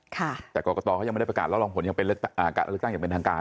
แต่กรกตยังไม่ได้ประกาศแล้วรองผลยังเป็นทางการ